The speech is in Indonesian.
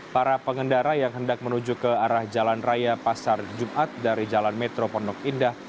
para pengendara yang hendak menuju ke arah jalan raya pasar jumat dari jalan metro pondok indah